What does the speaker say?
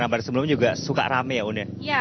kabar sebelumnya juga suka rame ya un ya